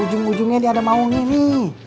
ujung ujungnya dia ada maunya nih